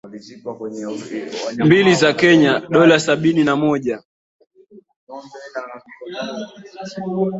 Mbili za Kenya (dola sabini na moja).